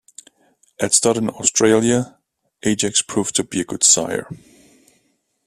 At stud in Australia, Ajax proved to be a good sire.